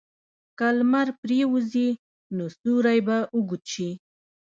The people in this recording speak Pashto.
که لمر پرېوځي، نو سیوری به اوږد شي.